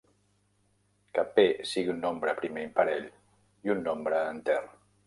Que p sigui un nombre primer imparell i un nombre enter.